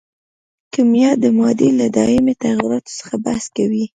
کیمیا د مادې له دایمي تغیراتو څخه بحث کوي.